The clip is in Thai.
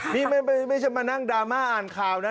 นี่ไม่ใช่มานั่งดราม่าอ่านข่าวนะ